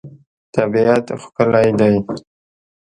طبیعت ښکلی دی.